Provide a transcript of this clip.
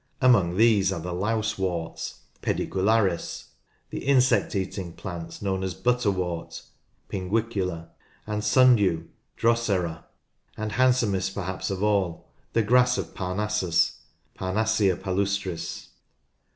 Among these are the louseworts [Pedicularis\ the insect eating plants known as butterwort (Pinguicula) and sundew (Drosera), and handsomest perhaps of all, the grass of Parnassus (Parnassia palustris).